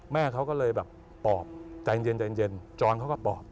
แม่เขาก็เลยแบบปอบใจเย็นจรเขาก็ปอบ